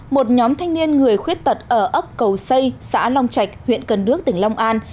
một nhóm thanh niên người khuyết tật ở ấp cầu xây xã long trạch huyện cần đước tỉnh long an